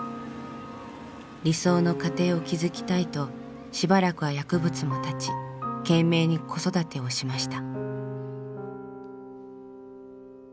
理想の家庭を築きたいとしばらくは薬物も断ち懸命に子育てをしました。